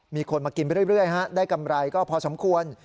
มีคนมากินไปเรื่อยเรื่อยฮะได้กำไรก็พอสำควร